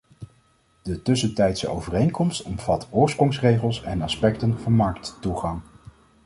De tussentijdse overeenkomst omvat oorsprongsregels en aspecten van markttoegang.